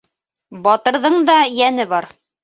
Батырҙың да йәне бар.